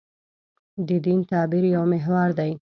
د دین تعبیر یو محور دی.